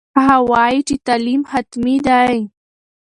هغه وایي چې تعلیم حتمي دی.